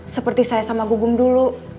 seperti saya sama gugung dulu